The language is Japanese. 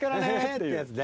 ってやつね